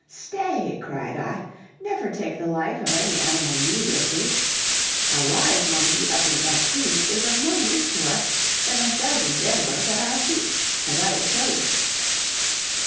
"Stay," cried I, "never take the life of any animal needlessly. A live monkey up in that tree is of more use to us than a dozen dead ones at our feet, as I will show you."